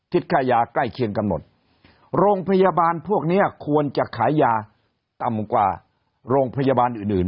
ต่ำกว่าโรงพยาบาลอื่น